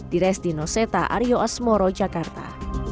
di resti noseta aryo asmoro jakarta